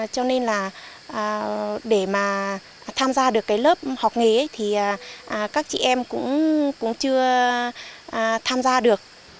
cho nên là để mà tham gia được cái lớp học nghề thì các chị em cũng chưa tham gia được